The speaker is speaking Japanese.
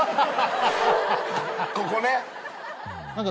ここね。